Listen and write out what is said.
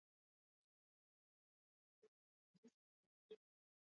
Ba mama banayuwaka bintu bya mingi